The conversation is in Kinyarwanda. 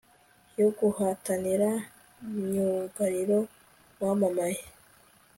yo guhatanira myugariro wamamaye